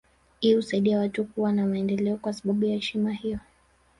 Hii husaidia watu kuwa na maendeleo kwa sababu ya heshima hiyo